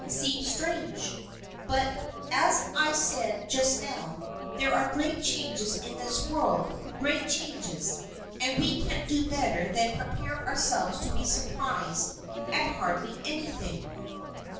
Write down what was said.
seems strange. But, as I said just now, there are great changes in this world; great changes, and we can't do better than prepare ourselves to be surprised at hardly anything."